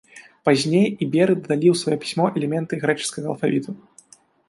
Пазней іберы дадалі ў сваё пісьмо элементы грэчаскага алфавіту.